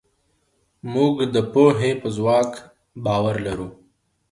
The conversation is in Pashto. موږ د پوهې په ځواک باور لرو.